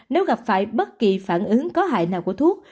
nếu gặp phải bất kỳ phản ứng có hại nào của thuốc